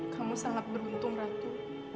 kamu sangat beruntung ratu